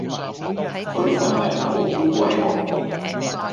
佢份人好孤鬼寒